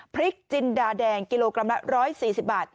พริกจินดาแดงกิโลกรัมละ๑๔๐บาท